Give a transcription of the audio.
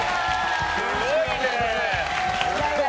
すごいね！